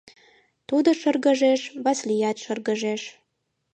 Тудо шыргыжеш — Васлият шыргыжеш.